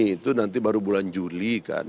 itu nanti baru bulan juli kan